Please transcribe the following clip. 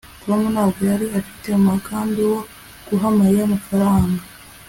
tom ntabwo yari afite umugambi wo guha mariya amafaranga